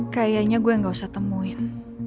kayaknya gue gak usah temuin